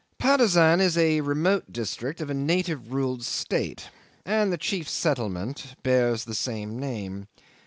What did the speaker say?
'Patusan is a remote district of a native ruled state, and the chief settlement bears the same name.